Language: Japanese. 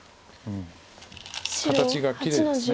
形がきれいです。